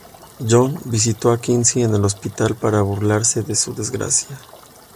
John visitó a Quincy en el hospital para burlarse de su desgracia.